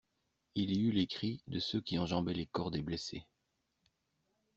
Il y eut les cris de ceux qui enjambaient les corps des blessés.